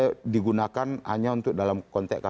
terus kemudian dia digunakan hanya untuk dalam pendidikan